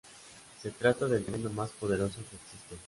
Se trata del veneno más poderoso que existe.